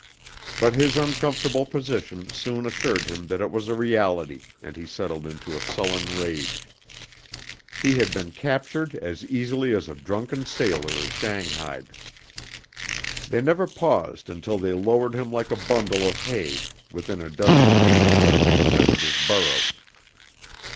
But his uncomfortable position soon assured him that it was a reality and he settled into a sullen rage. He had been captured as easily as a drunken sailor is shanghaied. They never paused until they lowered him like a bundle of hay within a dozen feet of where he had tethered his burros.